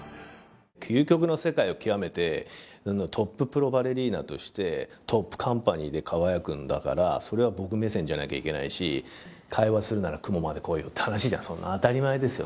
究極の世界を極めてトッププロバレリーナとしてトップカンパニーで輝くんだからそれは僕目線じゃなきゃいけないしって話じゃんそんなの当たり前ですよ